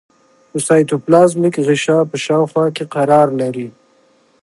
د سایتوپلازمیک غشا په شاوخوا کې قرار لري.